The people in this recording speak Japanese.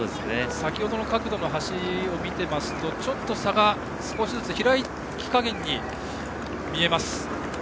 先程の角度の走りを見ていますとちょっと差が少しずつ開き加減に見えました。